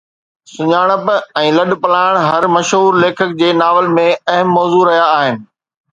سڃاڻپ ۽ لڏپلاڻ هر مشهور ليکڪ جي ناول ۾ اهم موضوع رهيا آهن